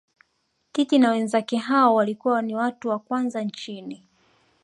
Titi na wenzake hao walikuwa ni watu wa kwanza nchini